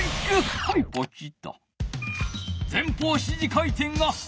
はいポチッと。